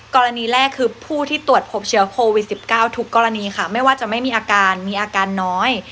กรณีแรกคือผู้ที่ตรวจพบเชื้อโควิด๑๙ทุกกรณีค่ะไม่ว่าจะไม่มีอาการมีอาการน้อย